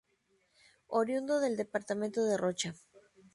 Oriundo del departamento de Rocha.